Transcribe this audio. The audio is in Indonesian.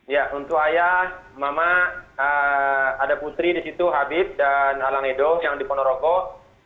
ya untuk ayah mama ada putri di situ habib dan alang edo yang di ponorogo